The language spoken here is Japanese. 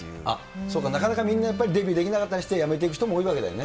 そっか、なかなかみんな、デビューできなかったりして、辞めていく人も多いわけだよね。